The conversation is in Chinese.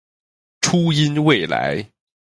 初音未来